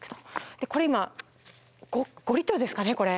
これ今５リットルですかねこれ。